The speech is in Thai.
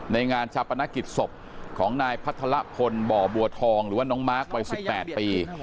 ในงานจับประนักกิจศพของนายพัฒระพลบ่อบัวทองหรือว่าน้องมาร์คปล่อย๑๘ปี